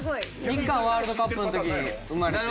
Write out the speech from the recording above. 日韓ワールドカップの時生まれて。